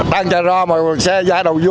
trang chạy ra mà xe ra đầu vô